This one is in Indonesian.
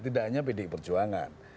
tidak hanya pdi perjuangan